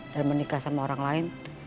dan menikah sama orang lain